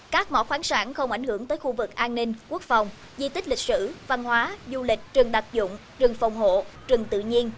các mỏ khoáng sản không ảnh hưởng tới khu vực an ninh quốc phòng di tích lịch sử văn hóa du lịch rừng đặc dụng rừng phòng hộ rừng tự nhiên